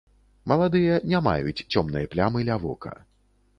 Маладыя не маюць цёмнай плямы ля вока.